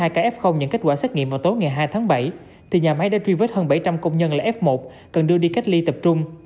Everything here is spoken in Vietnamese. hai ca f nhận kết quả xét nghiệm vào tối ngày hai tháng bảy thì nhà máy đã truy vết hơn bảy trăm linh công nhân là f một cần đưa đi cách ly tập trung